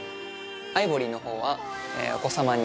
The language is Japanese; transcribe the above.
アイボリーのほうはお子様に。